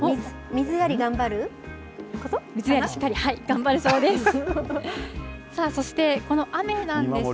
水やりしっかり、頑張るそうです。